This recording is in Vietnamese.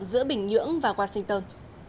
giữa bình nhưỡng và washington